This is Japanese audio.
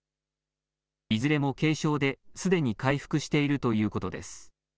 いずれも軽症ですでに回復しているということです。